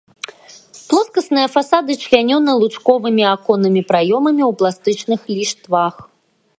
Плоскасныя фасады члянёны лучковымі аконнымі праёмамі ў пластычных ліштвах.